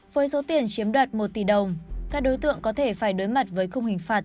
với số tiền chiếm đoạt một tỷ đồng các đối tượng có thể phải đối mặt với khung hình phạt